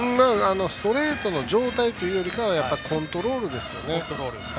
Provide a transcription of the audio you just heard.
ストレートの状態というよりかはコントロールですよね。